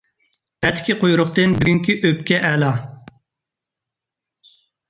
ئەتىكى قۇيرۇقتىن بۈگۈنكى ئۆپكە ئەلا.